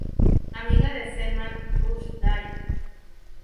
Amiga de Salman Rushdie.